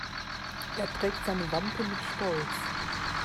Er trägt seine Wampe mit Stolz.